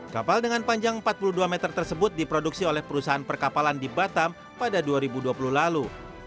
kapal dengan panjang empat puluh dua meter tersebut diproduksi oleh perusahaan perkapalan di batam pada dua ribu dua puluh lalu